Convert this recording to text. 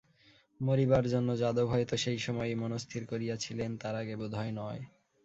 মরিবার জন্য যাদব হয়তো সেই সময়েই মনস্থির করিয়াছিলেন, তার আগে বোধহয় নয়!